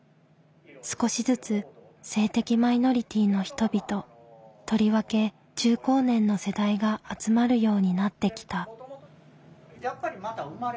少しずつ性的マイノリティーの人々とりわけ中高年の世代が集まるようになってきた。